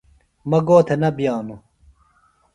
مہ گو تھےۡ نہ بئانوۡ۔